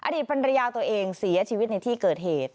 อดีตภรรยาตัวเองเสียชีวิตในที่เกิดเหตุ